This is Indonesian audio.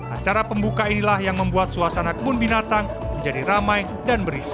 acara pembuka inilah yang membuat suasana kebun binatang menjadi ramai dan berisi